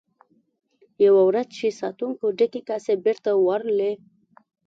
یوه ورځ چې ساتونکو ډکې کاسې بیرته وړلې.